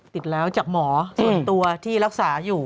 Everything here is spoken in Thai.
ติดแล้วจากหมอส่วนตัวที่รักษาอยู่